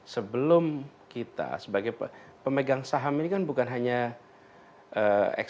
sebelum kita sebagai pemegang saham ini kan bukan saja pemegang saham